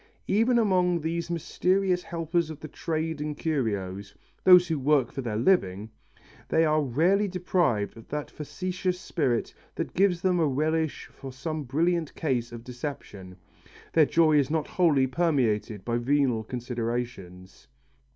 Even among these mysterious helpers of the trade in curios those who work for their living they are rarely deprived of that facetious spirit that gives them a relish for some brilliant case of deception. Their joy is not wholly permeated by venal considerations.